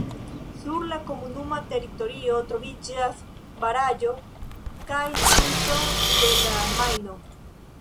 Sur la komunuma teritorio troviĝas baraĵo kaj kluzo de la Majno.